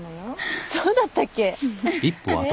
そうだったっけ？え？